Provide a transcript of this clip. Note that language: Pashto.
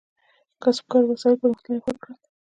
کسبګرو وسایل پرمختللي او ښه کړل.